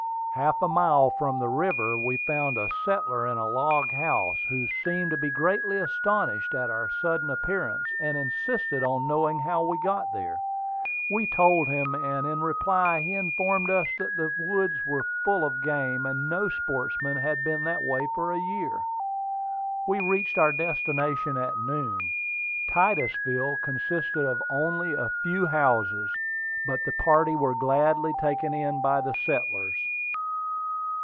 Half a mile from the river, we found a settler in a log house, who seemed to be greatly astonished at our sudden appearance, and insisted on knowing how we got there. We told him, and in reply he informed us that the woods were full of game, and no sportsman had been that way for a year. We reached our destination at noon. Titusville consisted of only a few houses; but the party were gladly taken in by the settlers.